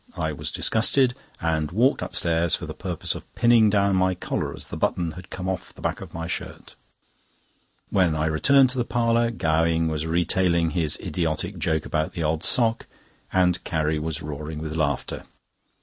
I was disgusted and walked upstairs for the purpose of pinning down my collar, as the button had come off the back of my shirt. When I returned to the parlour, Gowing was retailing his idiotic joke about the odd sock, and Carrie was roaring with laughter.